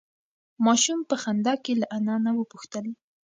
ماشوم په خندا کې له انا نه وپوښتل.